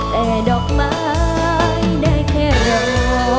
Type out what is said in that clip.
แต่ดอกไม้ได้แค่รอ